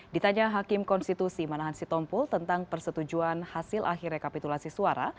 ditanya hakim konstitusi manahan sitompul tentang persetujuan hasil akhir rekapitulasi suara